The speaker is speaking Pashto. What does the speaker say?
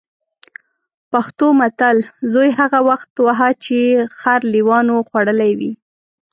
پښتو متل: زوی هغه وخت وهه چې خر لېوانو خوړلی وي.